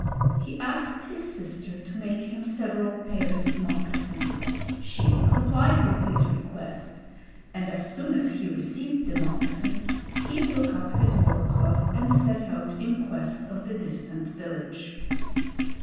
He asked his sister to make him several pairs of moccasins. She complied with his request; and as soon as he received the moccasins, he took up his war club and set out in quest of the distant village.